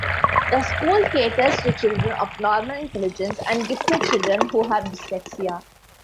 The school caters to children of normal intelligence and gifted children who have dyslexia.